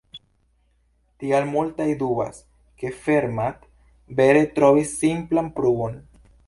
Tial multaj dubas, ke Fermat vere trovis simplan pruvon.